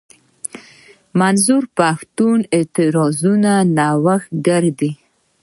منظور پښتين د اعتراضونو نوښتګر دی.